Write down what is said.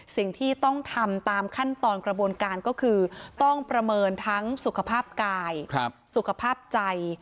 สิ่งที่ต้องทำตามขั้นตอนกระบวนการก็คือต้องประเมินทั้งสุขภาพกายสุขภาพใจ